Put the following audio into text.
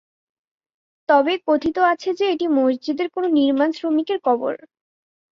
তবে কথিত আছে যে এটি মসজিদের কোন নির্মাণ শ্রমিকের কবর।